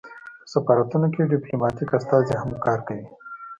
په سفارتونو کې ډیپلوماتیک استازي هم کار کوي